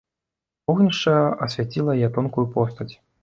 Вогнішча асвяціла яе тонкую постаць.